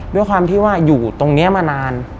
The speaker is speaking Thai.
ด้วยความที่ว่าอยู่ตรงนี้มานาน